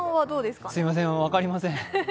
すいません、分かりません。